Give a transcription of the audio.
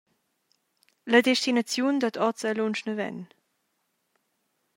La destinaziun dad oz ei lunsch naven.